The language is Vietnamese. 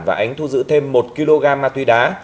và ánh thu giữ thêm một kg ma túy đá